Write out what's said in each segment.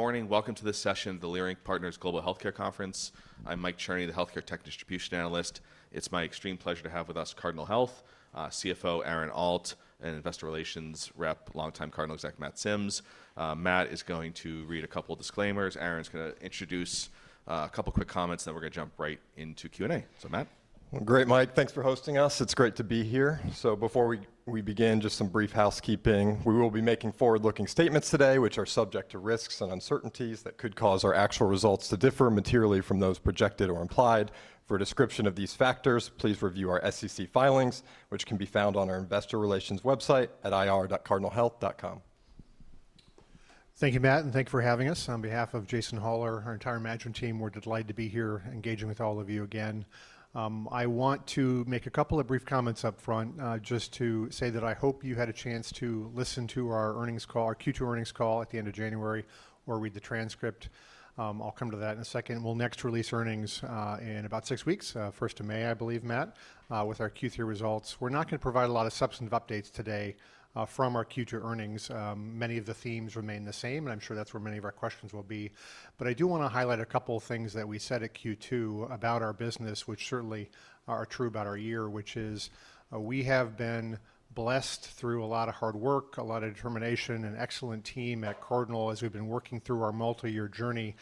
Morning. Welcome to this session of the Leerink Partners Global Healthcare Conference. I'm Mike Cherny, the Healthcare Tech Distribution Analyst. It's my extreme pleasure to have with us Cardinal Health, CFO Aaron Alt, and Investor Relations Rep, longtime Cardinal exec Matt Sims. Matt is going to read a couple of disclaimers. Aaron's going to introduce a couple of quick comments, then we're going to jump right into Q&A. Matt. Great, Mike. Thanks for hosting us. It's great to be here. Before we begin, just some brief housekeeping. We will be making forward-looking statements today, which are subject to risks and uncertainties that could cause our actual results to differ materially from those projected or implied. For a description of these factors, please review our SEC filings, which can be found on our Investor Relations website at ir.cardinalhealth.com. Thank you, Matt, and thank you for having us. On behalf of Jason Hollar, our entire management team, we're delighted to be here engaging with all of you again. I want to make a couple of brief comments upfront, just to say that I hope you had a chance to listen to our earnings call, our Q2 earnings call at the end of January, or read the transcript. I'll come to that in a second. We'll next release earnings in about six weeks, 1st of May, I believe, Matt, with our Q3 results. We're not going to provide a lot of substantive updates today from our Q2 earnings. Many of the themes remain the same, and I'm sure that's where many of our questions will be. I do want to highlight a couple of things that we said at Q2 about our business, which certainly are true about our year, which is we have been blessed through a lot of hard work, a lot of determination, and an excellent team at Cardinal as we've been working through our multi-year journey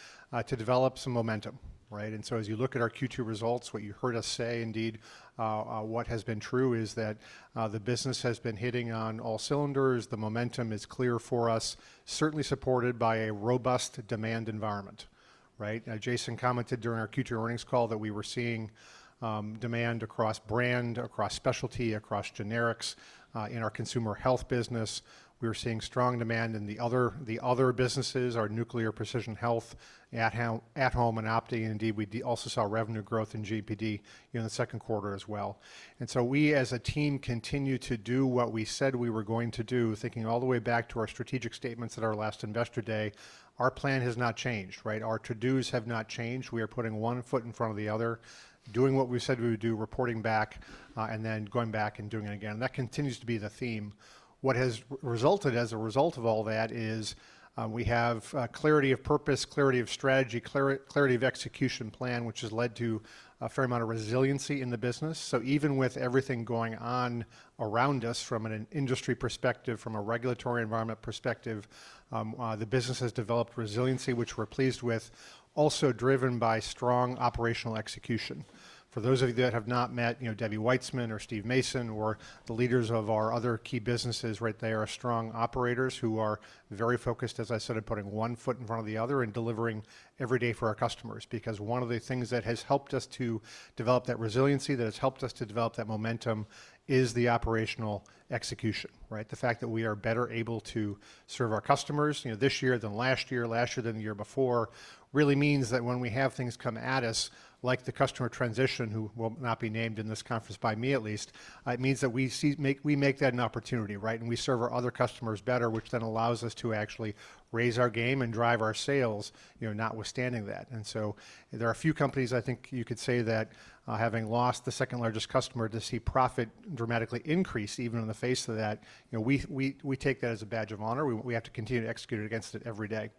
to develop some momentum. As you look at our Q2 results, what you heard us say, indeed, what has been true is that the business has been hitting on all cylinders. The momentum is clear for us, certainly supported by a robust demand environment. Jason commented during our Q2 earnings call that we were seeing demand across brand, across specialty, across generics. In our consumer health business, we were seeing strong demand in the other businesses, our Nuclear and Precision Health, at-Home and opting. Indeed, we also saw revenue growth in GPD in the second quarter as well. We as a team continue to do what we said we were going to do, thinking all the way back to our strategic statements at our last investor day. Our plan has not changed. Our To-Do's have not changed. We are putting one foot in front of the other, doing what we said we would do, reporting back, and then going back and doing it again. That continues to be the theme. What has resulted as a result of all that is we have clarity of purpose, clarity of strategy, clarity of execution plan, which has led to a fair amount of resiliency in the business. Even with everything going on around us from an industry perspective, from a regulatory environment perspective, the business has developed resiliency, which we're pleased with, also driven by strong operational execution. For those of you that have not met Debbie Weitzman or Steve Mason or the leaders of our other key businesses, they are strong operators who are very focused, as I said, on putting one foot in front of the other and delivering every day for our customers. Because one of the things that has helped us to develop that resiliency, that has helped us to develop that momentum, is the operational execution. The fact that we are better able to serve our customers this year than last year, last year than the year before, really means that when we have things come at us, like the customer transition, who will not be named in this conference by me at least, it means that we make that an opportunity and we serve our other customers better, which then allows us to actually raise our game and drive our sales, notwithstanding that. There are a few companies, I think you could say that having lost the second largest customer to see profit dramatically increase even in the face of that, we take that as a badge of honor. We have to continue to execute against it every day.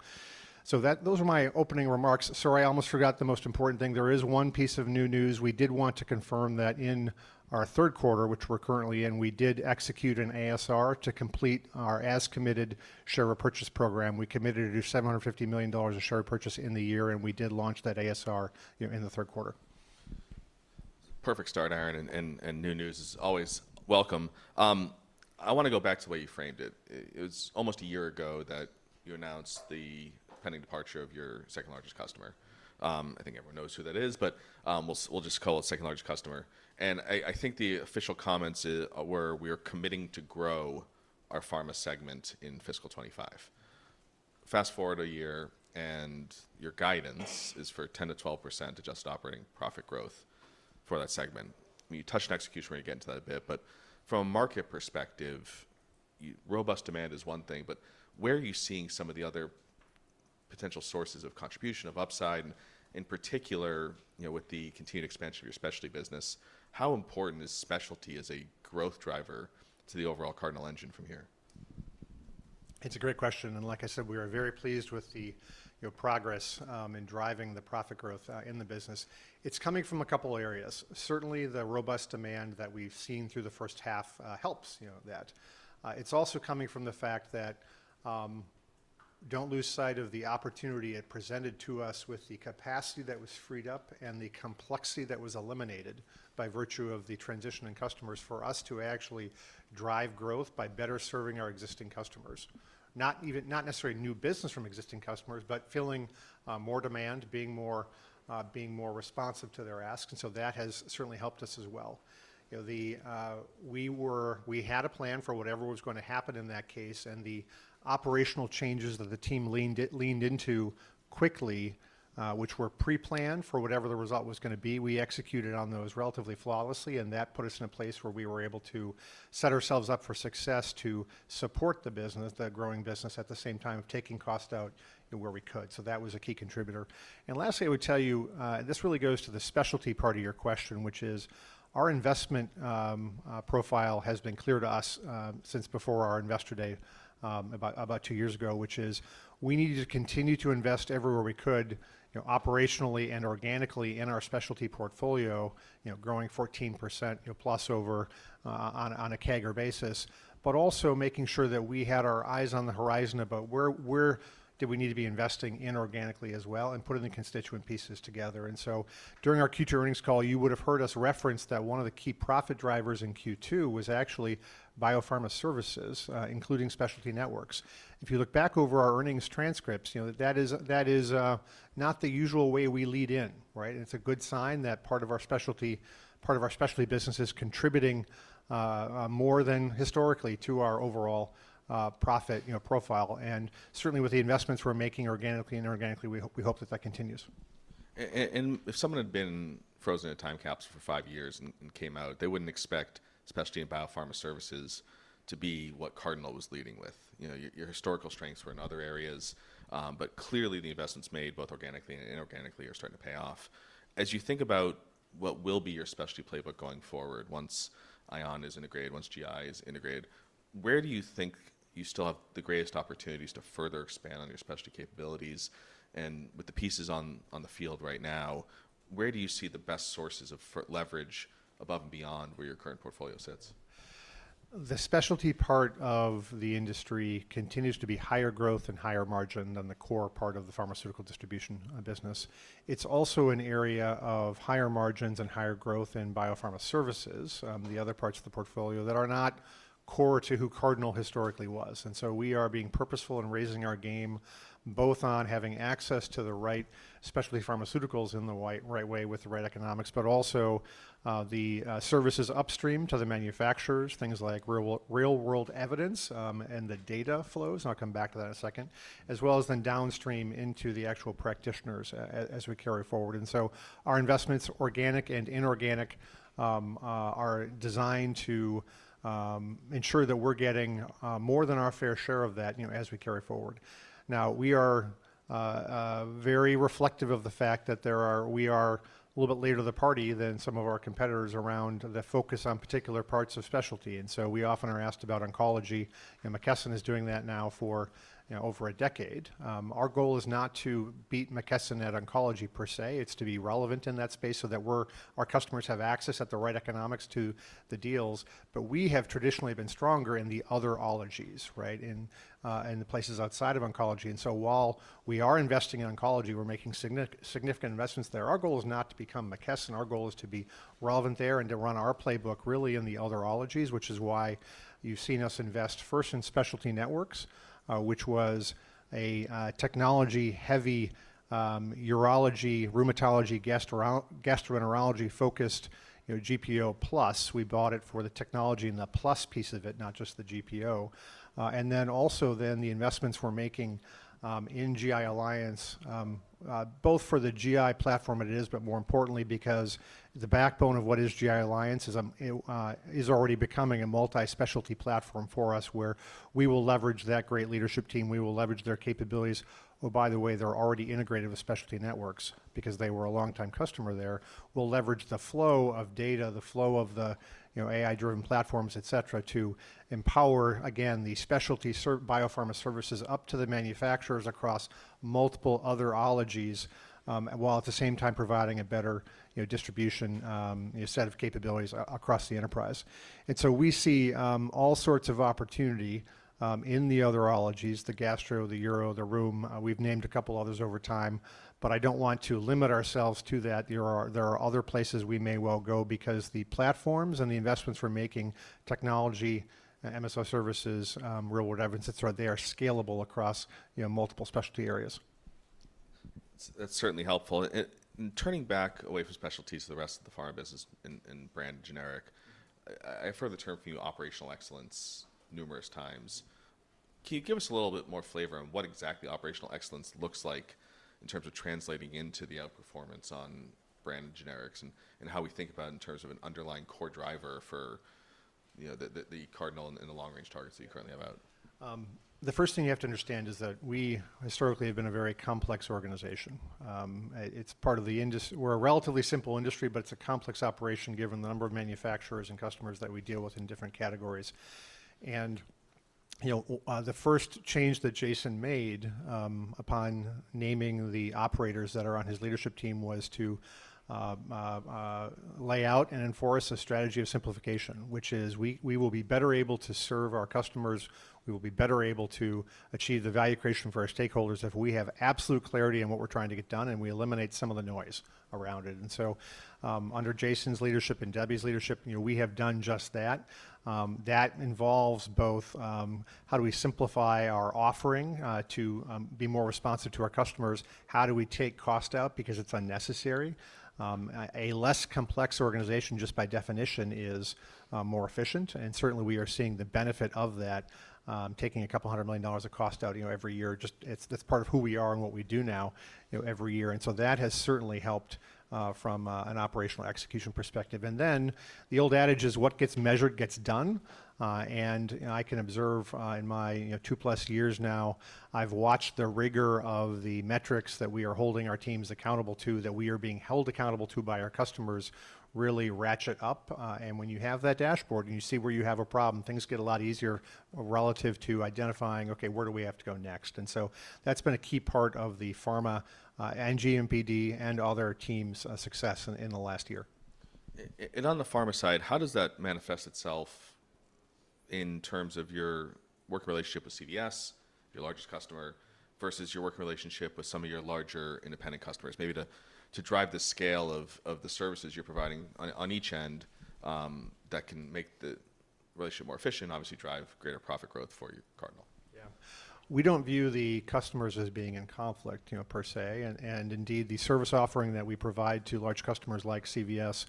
Those are my opening remarks. Sorry, I almost forgot the most important thing. There is one piece of new news. We did want to confirm that in our third quarter, which we're currently in, we did execute an ASR to complete our as-committed share repurchase program. We committed to $750 million of share repurchase in the year, and we did launch that ASR in the third quarter. Perfect start, Aaron, and new news is always welcome. I want to go back to the way you framed it. It was almost a year ago that you announced the pending departure of your second largest customer. I think everyone knows who that is, but we'll just call it second largest customer. I think the official comments were we are committing to grow our pharma segment in fiscal 2025. Fast forward a year, and your guidance is for 10%-12% adjusted operating profit growth for that segment. You touched on execution. We're going to get into that a bit. From a market perspective, robust demand is one thing, but where are you seeing some of the other potential sources of contribution of upside? In particular, with the continued expansion of your specialty business, how important is specialty as a growth driver to the overall Cardinal engine from here? It's a great question. Like I said, we are very pleased with the progress in driving the profit growth in the business. It's coming from a couple of areas. Certainly, the robust demand that we've seen through the first half helps that. It's also coming from the fact that you should not lose sight of the opportunity it presented to us with the capacity that was freed up and the complexity that was eliminated by virtue of the transition in customers for us to actually drive growth by better serving our existing customers. Not necessarily new business from existing customers, but filling more demand, being more responsive to their ask. That has certainly helped us as well. We had a plan for whatever was going to happen in that case, and the operational changes that the team leaned into quickly, which were pre-planned for whatever the result was going to be, we executed on those relatively flawlessly. That put us in a place where we were able to set ourselves up for success to support the growing business at the same time of taking cost out where we could. That was a key contributor. Lastly, I would tell you, and this really goes to the specialty part of your question, which is our investment profile has been clear to us since before our investor day about two years ago, which is we needed to continue to invest everywhere we could operationally and organically in our specialty portfolio, growing 14% plus over on a CAGR basis, but also making sure that we had our eyes on the horizon about where did we need to be investing inorganically as well and putting the constituent pieces together. During our Q2 earnings call, you would have heard us reference that one of the key profit drivers in Q2 was actually Biopharma Services, including Specialty Networks. If you look back over our earnings transcripts, that is not the usual way we lead in. It's a good sign that part of our specialty business is contributing more than historically to our overall profit profile. Certainly, with the investments we're making organically and inorganically, we hope that that continues. If someone had been frozen in a time capsule for five years and came out, they would not expect specialty and Biopharma Services to be what Cardinal was leading with. Your historical strengths were in other areas, but clearly the investments made, both organically and inorganically, are starting to pay off. As you think about what will be your specialty playbook going forward, once ION is integrated, once GI is integrated, where do you think you still have the greatest opportunities to further expand on your specialty capabilities? With the pieces on the field right now, where do you see the best sources of leverage above and beyond where your current portfolio sits? The specialty part of the industry continues to be higher growth and higher margin than the core part of the pharmaceutical distribution business. It's also an area of higher margins and higher growth in Biopharma Services, the other parts of the portfolio that are not core to who Cardinal historically was. We are being purposeful in raising our game, both on having access to the right specialty pharmaceuticals in the right way with the right economics, but also the services upstream to the manufacturers, things like real-world evidence and the data flows. I'll come back to that in a second, as well as then downstream into the actual practitioners as we carry forward. Our investments, organic and inorganic, are designed to ensure that we're getting more than our fair share of that as we carry forward. Now, we are very reflective of the fact that we are a little bit later to the party than some of our competitors around the focus on particular parts of specialty. We often are asked about oncology, and McKesson is doing that now for over a decade. Our goal is not to beat McKesson at oncology per se. It is to be relevant in that space so that our customers have access at the right economics to the deals. We have traditionally been stronger in the other ologies, in the places outside of oncology. While we are investing in oncology, we are making significant investments there. Our goal is not to become McKesson. Our goal is to be relevant there and to run our playbook really in the other ologies, which is why you've seen us invest first in Specialty Networks, which was a technology-heavy urology, rheumatology, gastroenterology-focused GPO plus. We bought it for the technology and the plus piece of it, not just the GPO. The investments we're making in GI Alliance are both for the GI platform it is, but more importantly, because the backbone of what is GI Alliance is already becoming a multi-specialty platform for us, where we will leverage that great leadership team. We will leverage their capabilities. Oh, by the way, they're already integrated with Specialty Networks because they were a longtime customer there. We'll leverage the flow of data, the flow of the AI-driven platforms, et cetera, to empower, again, the specialty Biopharma Services up to the manufacturers across multiple other ologies, while at the same time providing a better distribution set of capabilities across the enterprise. We see all sorts of opportunity in the other ologies: the gastro, the uro, the rheum. We've named a couple others over time, but I don't want to limit ourselves to that. There are other places we may well go because the platforms and the investments we're making, technology, MSO services, real-world evidence, et cetera, they are scalable across multiple specialty areas. That's certainly helpful. Turning back away from specialties to the rest of the pharma business and brand generic, I've heard the term from you, operational excellence, numerous times. Can you give us a little bit more flavor on what exactly operational excellence looks like in terms of translating into the outperformance on brand generics and how we think about it in terms of an underlying core driver for Cardinal and the long-range targets that you currently have out? The first thing you have to understand is that we historically have been a very complex organization. It's part of the industry. We're a relatively simple industry, but it's a complex operation given the number of manufacturers and customers that we deal with in different categories. The first change that Jason made upon naming the operators that are on his leadership team was to lay out and enforce a strategy of simplification, which is we will be better able to serve our customers. We will be better able to achieve the value creation for our stakeholders if we have absolute clarity in what we're trying to get done, and we eliminate some of the noise around it. Under Jason's leadership and Debbie's leadership, we have done just that. That involves both how do we simplify our offering to be more responsive to our customers? How do we take cost out? Because it is unnecessary. A less complex organization just by definition is more efficient. Certainly, we are seeing the benefit of that, taking a couple hundred million dollars of cost out every year. That is part of who we are and what we do now every year. That has certainly helped from an operational execution perspective. The old adage is what gets measured gets done. I can observe in my two-plus years now, I have watched the rigor of the metrics that we are holding our teams accountable to, that we are being held accountable to by our customers, really ratchet up. When you have that dashboard and you see where you have a problem, things get a lot easier relative to identifying, okay, where do we have to go next? That has been a key part of the pharma and GMPD and other teams' success in the last year. On the pharma side, how does that manifest itself in terms of your working relationship with CVS, your largest customer, versus your working relationship with some of your larger independent customers? Maybe to drive the scale of the services you're providing on each end that can make the relationship more efficient, obviously drive greater profit growth for your Cardinal. Yeah. We don't view the customers as being in conflict per se. Indeed, the service offering that we provide to large customers like CVS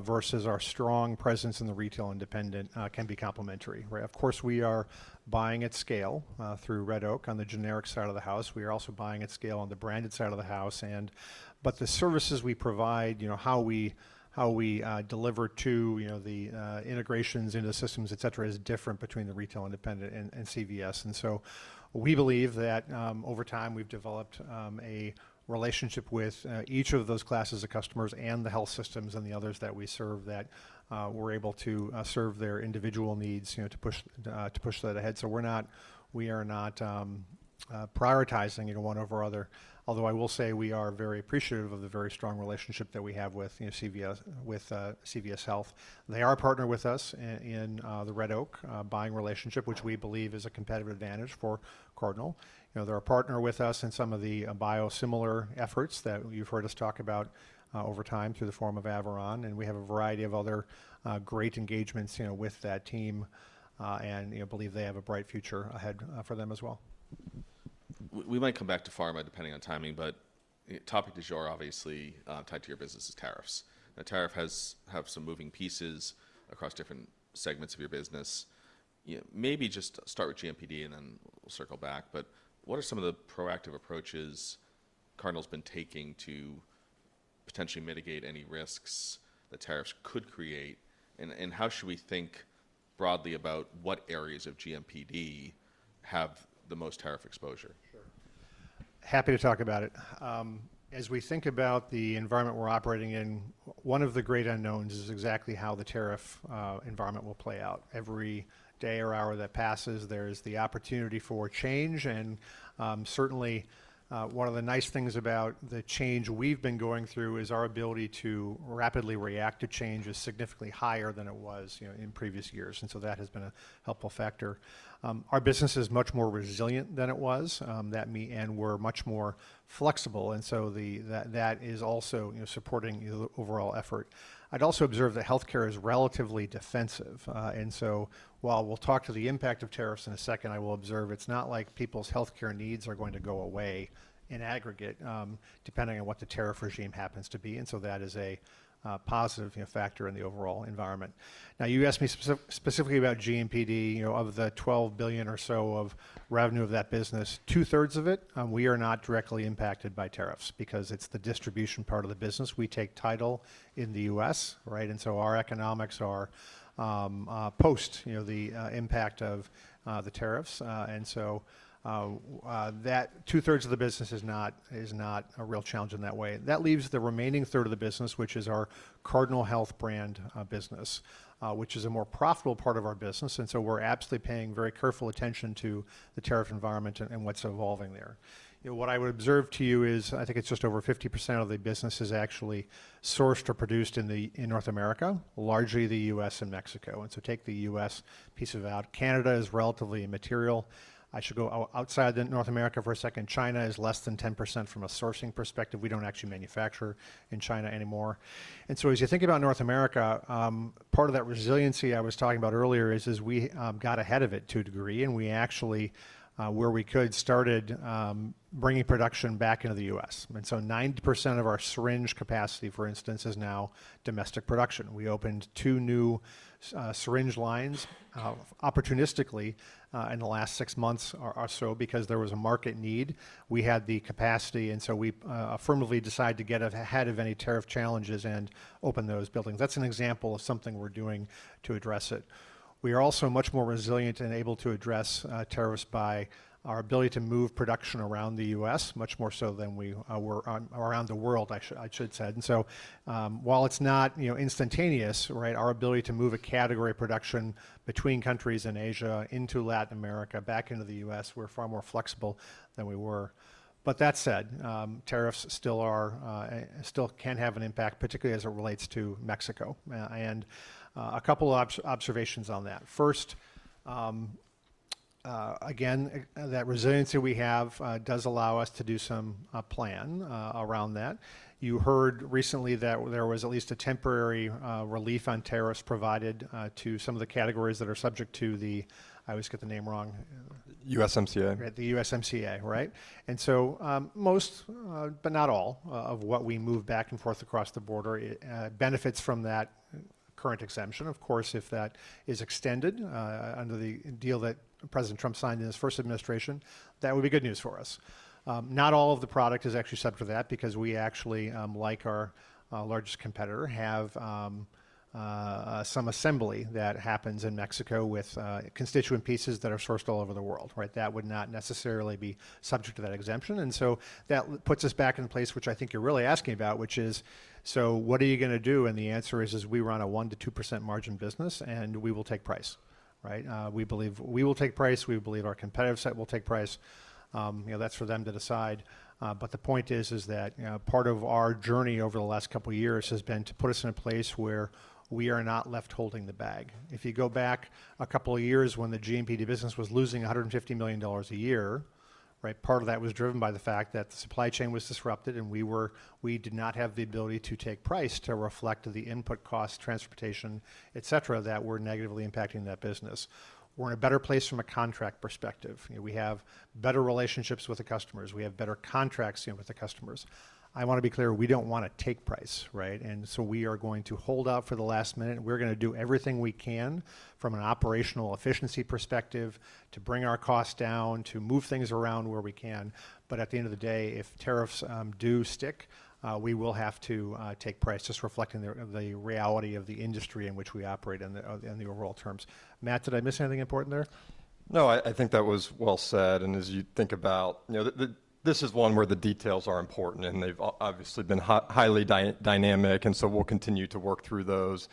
versus our strong presence in the retail independent can be complementary. Of course, we are buying at scale through Red Oak on the generic side of the house. We are also buying at scale on the branded side of the house. The services we provide, how we deliver to the integrations into the systems, et cetera, is different between the retail independent and CVS. We believe that over time we've developed a relationship with each of those classes of customers and the health systems and the others that we serve that we're able to serve their individual needs to push that ahead. We are not prioritizing one over other, although I will say we are very appreciative of the very strong relationship that we have with CVS Health. They are a partner with us in the Red Oak buying relationship, which we believe is a competitive advantage for Cardinal. They're a partner with us in some of the biosimilar efforts that you've heard us talk about over time through the form of Averon. We have a variety of other great engagements with that team and believe they have a bright future ahead for them as well. We might come back to pharma depending on timing, but topic du jour, obviously tied to your business, is tariffs. The tariff has some moving pieces across different segments of your business. Maybe just start with GMPD and then we'll circle back. What are some of the proactive approaches Cardinal's been taking to potentially mitigate any risks that tariffs could create? How should we think broadly about what areas of GMPD have the most tariff exposure? Happy to talk about it. As we think about the environment we're operating in, one of the great unknowns is exactly how the tariff environment will play out. Every day or hour that passes, there is the opportunity for change. Certainly, one of the nice things about the change we've been going through is our ability to rapidly react to change is significantly higher than it was in previous years. That has been a helpful factor. Our business is much more resilient than it was. That means we're much more flexible. That is also supporting the overall effort. I'd also observe that healthcare is relatively defensive. While we'll talk to the impact of tariffs in a second, I will observe it's not like people's healthcare needs are going to go away in aggregate depending on what the tariff regime happens to be. That is a positive factor in the overall environment. You asked me specifically about GMPD. Of the $12 billion or so of revenue of that business, two-thirds of it, we are not directly impacted by tariffs because it is the distribution part of the business. We take title in the U.S. Our economics are post the impact of the tariffs. Two-thirds of the business is not a real challenge in that way. That leaves the remaining third of the business, which is our Cardinal Health brand business, which is a more profitable part of our business. We are absolutely paying very careful attention to the tariff environment and what is evolving there. What I would observe to you is I think it is just over 50% of the business is actually sourced or produced in North America, largely the U.S. and Mexico. Take the U.S. piece of that. Canada is relatively immaterial. I should go outside North America for a second. China is less than 10% from a sourcing perspective. We do not actually manufacture in China anymore. As you think about North America, part of that resiliency I was talking about earlier is we got ahead of it to a degree, and we actually, where we could, started bringing production back into the U.S. Ninety percent of our syringe capacity, for instance, is now domestic production. We opened two new syringe lines opportunistically in the last six months or so because there was a market need. We had the capacity, and we affirmatively decided to get ahead of any tariff challenges and open those buildings. That is an example of something we are doing to address it. We are also much more resilient and able to address tariffs by our ability to move production around the U.S., much more so than we were around the world, I should say. While it is not instantaneous, our ability to move a category of production between countries in Asia into Latin America, back into the U.S., we are far more flexible than we were. That said, tariffs still can have an impact, particularly as it relates to Mexico. A couple of observations on that. First, again, that resiliency we have does allow us to do some plan around that. You heard recently that there was at least a temporary relief on tariffs provided to some of the categories that are subject to the, I always get the name wrong. USMCA. The USMCA, right? Most, but not all of what we move back and forth across the border benefits from that current exemption. Of course, if that is extended under the deal that President Trump signed in his first administration, that would be good news for us. Not all of the product is actually subject to that because we actually, like our largest competitor, have some assembly that happens in Mexico with constituent pieces that are sourced all over the world. That would not necessarily be subject to that exemption. That puts us back in place, which I think you're really asking about, which is, so what are you going to do? The answer is, we run a 1%-2% margin business, and we will take price. We believe we will take price. We believe our competitive side will take price. That's for them to decide. The point is that part of our journey over the last couple of years has been to put us in a place where we are not left holding the bag. If you go back a couple of years when the GMPD business was losing $150 million a year, part of that was driven by the fact that the supply chain was disrupted and we did not have the ability to take price to reflect the input costs, transportation, et cetera, that were negatively impacting that business. We're in a better place from a contract perspective. We have better relationships with the customers. We have better contracts with the customers. I want to be clear, we don't want to take price. We are going to hold out for the last minute. We're going to do everything we can from an operational efficiency perspective to bring our costs down, to move things around where we can. At the end of the day, if tariffs do stick, we will have to take price, just reflecting the reality of the industry in which we operate in the overall terms. Matt, did I miss anything important there? No, I think that was well said. As you think about, this is one where the details are important and they've obviously been highly dynamic. We will continue to work through those.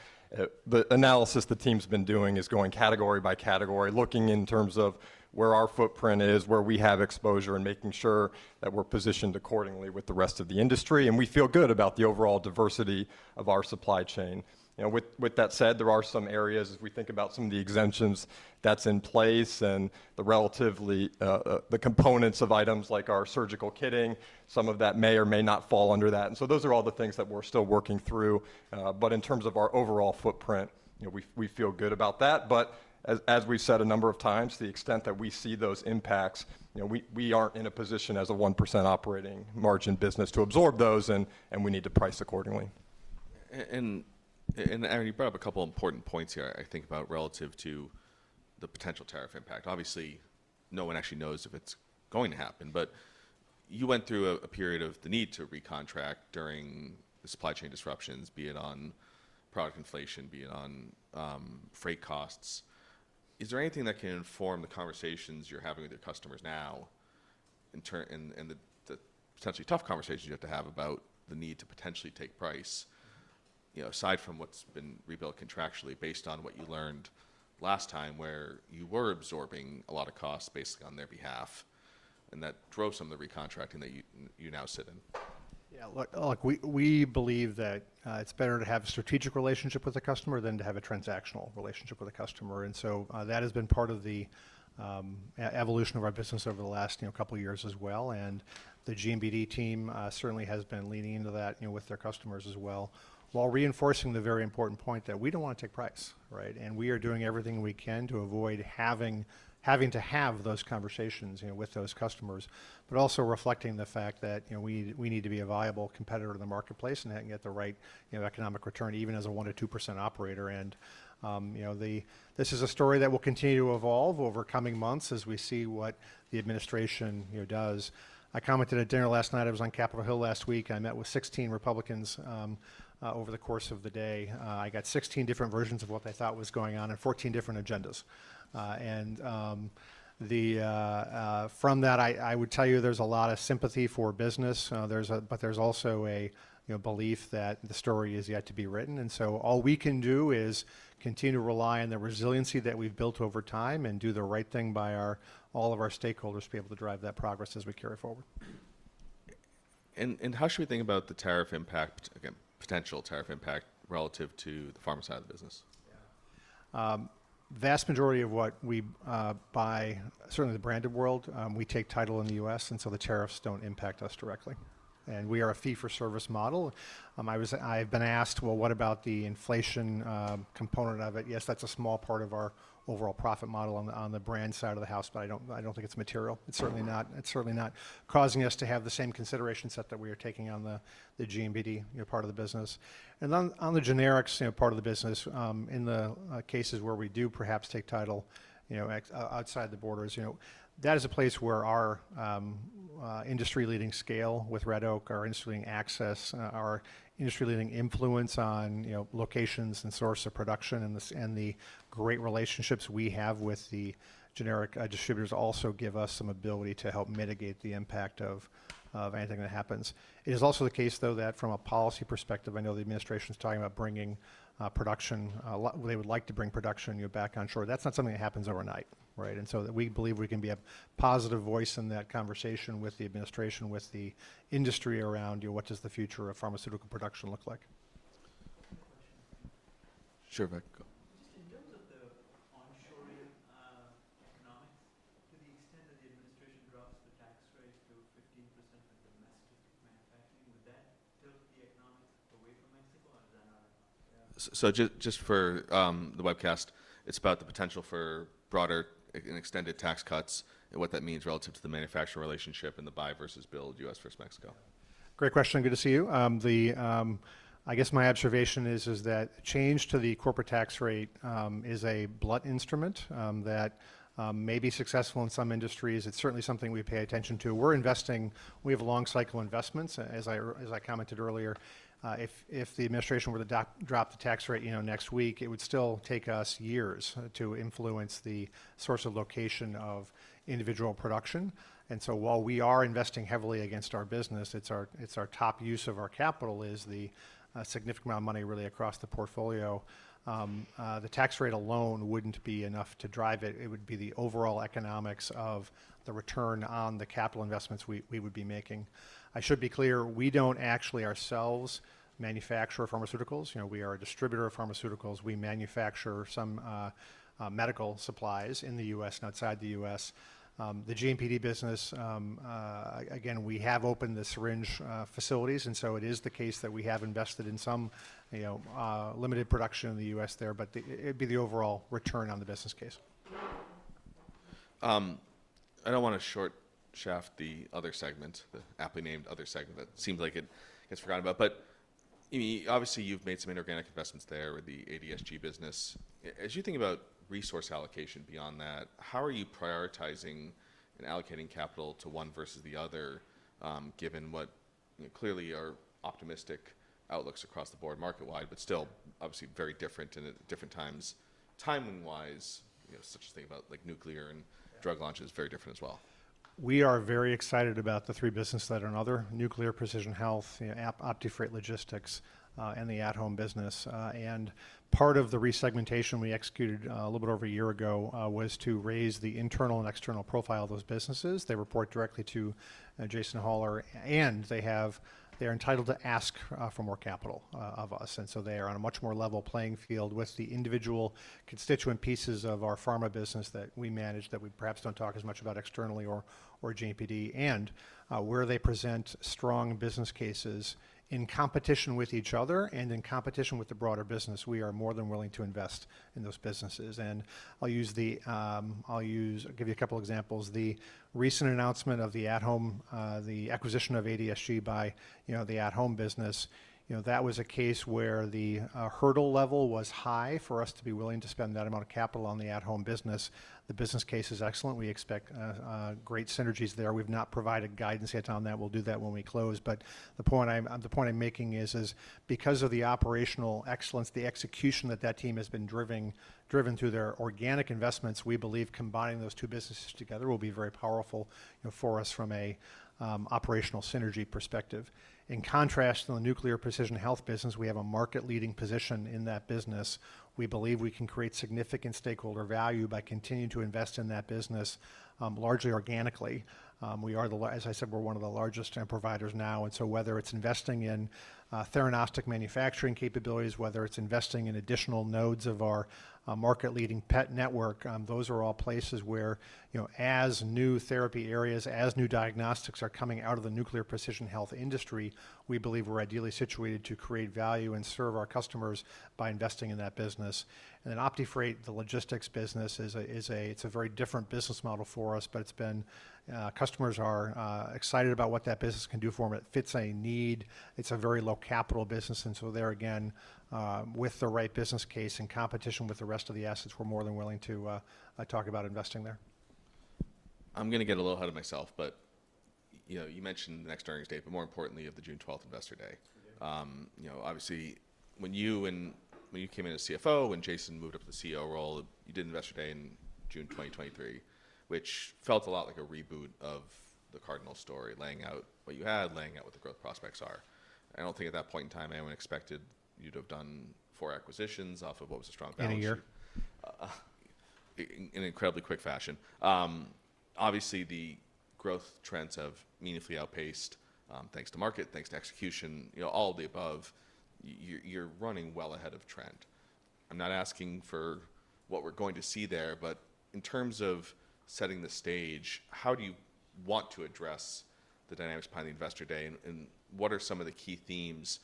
The analysis the team's been doing is going category by category, looking in terms of where our footprint is, where we have exposure, and making sure that we're positioned accordingly with the rest of the industry. We feel good about the overall diversity of our supply chain. With that said, there are some areas, as we think about some of the exemptions that are in place and the components of items like our surgical kitting, some of that may or may not fall under that. Those are all the things that we're still working through. In terms of our overall footprint, we feel good about that. As we have said a number of times, to the extent that we see those impacts, we are not in a position as a 1% operating margin business to absorb those, and we need to price accordingly. You brought up a couple of important points here, I think, relative to the potential tariff impact. Obviously, no one actually knows if it is going to happen. You went through a period of the need to recontract during the supply chain disruptions, be it on product inflation, be it on freight costs. Is there anything that can inform the conversations you're having with your customers now and the potentially tough conversations you have to have about the need to potentially take price, aside from what's been rebuilt contractually based on what you learned last time where you were absorbing a lot of costs basically on their behalf and that drove some of the recontracting that you now sit in? Yeah. Look, we believe that it's better to have a strategic relationship with the customer than to have a transactional relationship with the customer. That has been part of the evolution of our business over the last couple of years as well. The GMP D team certainly has been leaning into that with their customers as well while reinforcing the very important point that we don't want to take price. We are doing everything we can to avoid having to have those conversations with those customers, but also reflecting the fact that we need to be a viable competitor in the marketplace and get the right economic return even as a 1%-2% operator. This is a story that will continue to evolve over coming months as we see what the administration does. I commented at dinner last night. I was on Capitol Hill last week. I met with 16 Republicans over the course of the day. I got 16 different versions of what they thought was going on and 14 different agendas. From that, I would tell you there is a lot of sympathy for business, but there is also a belief that the story is yet to be written. All we can do is continue to rely on the resiliency that we have built over time and do the right thing by all of our stakeholders to be able to drive that progress as we carry forward. How should we think about the tariff impact, potential tariff impact relative to the pharma side of the business? Vast majority of what we buy, certainly the branded world, we take title in the U.S. The tariffs do not impact us directly. We are a fee-for-service model. I've been asked, well, what about the inflation component of it? Yes, that is a small part of our overall profit model on the brand side of the house, but I do not think it is material. It is certainly not causing us to have the same consideration set that we are taking on the GMPD part of the business. On the generics part of the business, in the cases where we do perhaps take title outside the borders, that is a place where our industry-leading scale with Red Oak, our industry-leading access, our industry-leading influence on locations and source of production and the great relationships we have with the generic distributors also give us some ability to help mitigate the impact of anything that happens. It is also the case, though, that from a policy perspective, I know the administration's talking about bringing production; they would like to bring production back on shore. That's not something that happens overnight. We believe we can be a positive voice in that conversation with the administration, with the industry around what does the future of pharmaceutical production look like. Sure, Mike. Just in terms of the onshoring economics, to the extent that the administration drops the tax rate to 15% for domestic manufacturing, would that tilt the economics away from Mexico? Just for the webcast, it's about the potential for broader and extended tax cuts and what that means relative to the manufacturer relationship and the buy versus build, U.S. versus Mexico. Great question. Good to see you. I guess my observation is that change to the corporate tax rate is a blunt instrument that may be successful in some industries. It's certainly something we pay attention to. We have long-cycle investments, as I commented earlier. If the administration were to drop the tax rate next week, it would still take us years to influence the source of location of individual production. While we are investing heavily against our business, it's our top use of our capital. It's the significant amount of money really across the portfolio. The tax rate alone wouldn't be enough to drive it. It would be the overall economics of the return on the capital investments we would be making. I should be clear, we don't actually ourselves manufacture pharmaceuticals. We are a distributor of pharmaceuticals. We manufacture some medical supplies in the U.S. and outside the U.S. The GMPD business, again, we have opened the syringe facilities. It is the case that we have invested in some limited production in the U.S. there, but it'd be the overall return on the business case. I don't want to short-shaft the other segment, the aptly named other segment that seems like it's forgotten about. Obviously, you've made some inorganic investments there with the ADSG business. As you think about resource allocation beyond that, how are you prioritizing and allocating capital to one versus the other given what clearly are optimistic outlooks across the board market-wide, but still obviously very different in different times timing-wise, such as thinking about nuclear and drug launches is very different as well? We are very excited about the three businesses that are in other: nuclear, precision health, OptiFreight Logistics, and the at-Home business. Part of the resegmentation we executed a little bit over a year ago was to raise the internal and external profile of those businesses. They report directly to Jason Hollar, and they are entitled to ask for more capital of us. They are on a much more level playing field with the individual constituent pieces of our pharma business that we manage that we perhaps do not talk as much about externally or GMPD. Where they present strong business cases in competition with each other and in competition with the broader business, we are more than willing to invest in those businesses. I will give you a couple of examples. The recent announcement of the at-Home, the acquisition of ADSG by the at-Home business, that was a case where the hurdle level was high for us to be willing to spend that amount of capital on the at-Home business. The business case is excellent. We expect great synergies there. We've not provided guidance yet on that. We'll do that when we close. The point I'm making is because of the operational excellence, the execution that that team has been driven through their organic investments, we believe combining those two businesses together will be very powerful for us from an operational synergy perspective. In contrast, in the Nuclear and Precision Health business, we have a market-leading position in that business. We believe we can create significant stakeholder value by continuing to invest in that business largely organically. As I said, we're one of the largest providers now. Whether it's investing in theranostic manufacturing capabilities, whether it's investing in additional nodes of our market-leading PET Network, those are all places where as new therapy areas, as new diagnostics are coming out of the Nuclear and Precision Health industry, we believe we're ideally situated to create value and serve our customers by investing in that business. OptiFreight Logistics, the logistics business, is a very different business model for us, but customers are excited about what that business can do for them. It fits a need. It's a very low-capital business. There again, with the right business case and competition with the rest of the assets, we're more than willing to talk about investing there. I'm going to get a little ahead of myself, but you mentioned the next earnings date, but more importantly, of the June 12th investor day. Obviously, when you came in as CFO, when Jason moved up to the CEO role, you did investor day in June 2023, which felt a lot like a reboot of the Cardinal story, laying out what you had, laying out what the growth prospects are. I don't think at that point in time anyone expected you to have done four acquisitions off of what was a strong balance sheet in an incredibly quick fashion. Obviously, the growth trends have meaningfully outpaced thanks to market, thanks to execution, all of the above. You're running well ahead of trend. I'm not asking for what we're going to see there, but in terms of setting the stage, how do you want to address the dynamics behind the investor day? What are some of the key themes,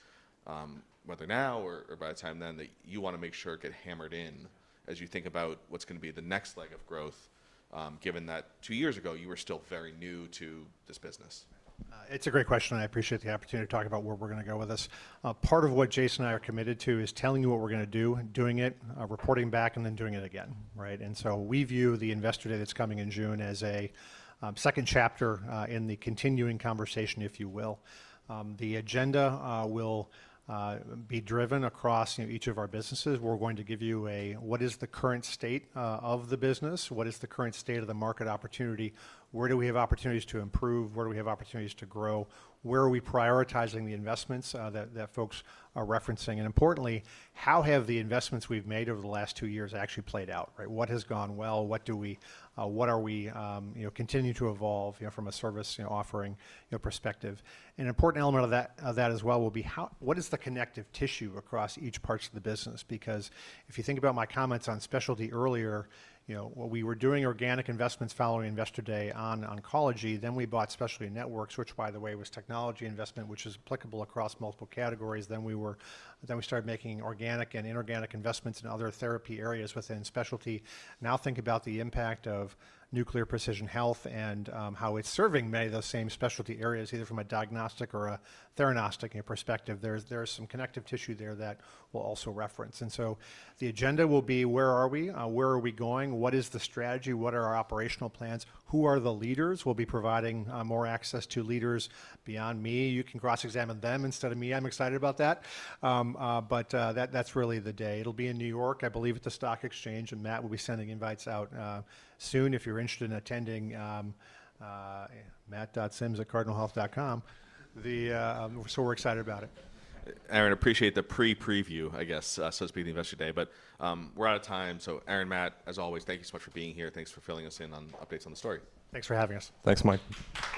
whether now or by the time then, that you want to make sure get hammered in as you think about what's going to be the next leg of growth, given that two years ago you were still very new to this business? It's a great question. I appreciate the opportunity to talk about where we're going to go with this. Part of what Jason and I are committed to is telling you what we're going to do, doing it, reporting back, and then doing it again. We view the investor day that's coming in June as a second chapter in the continuing conversation, if you will. The agenda will be driven across each of our businesses. We're going to give you a what is the current state of the business, what is the current state of the market opportunity, where do we have opportunities to improve, where do we have opportunities to grow, where are we prioritizing the investments that folks are referencing. Importantly, how have the investments we've made over the last two years actually played out? What has gone well? What are we continuing to evolve from a service offering perspective? An important element of that as well will be what is the connective tissue across each part of the business? Because if you think about my comments on specialty earlier, we were doing organic investments following investor day on oncology, then we bought Specialty Networks, which, by the way, was technology investment, which is applicable across multiple categories. Then we started making organic and inorganic investments in other therapy areas within specialty. Now think about the impact of Nuclear and Precision Health and how it's serving many of those same specialty areas, either from a diagnostic or a theranostic perspective. There is some connective tissue there that we will also reference. The agenda will be where are we, where are we going, what is the strategy, what are our operational plans, who are the leaders? We'll be providing more access to leaders beyond me. You can cross-examine them instead of me. I'm excited about that. That is really the day. It will be in New York, I believe, at the stock exchange, and Matt will be sending invites out soon. If you're interested in attending, Matt.Sims@CardinalHealth.com. We are excited about it. Aaron, appreciate the pre-preview, I guess, so to speak, the investor day, but we're out of time. Aaron, Matt, as always, thank you so much for being here. Thanks for filling us in on updates on the story. Thanks for having us. Thanks, Mike.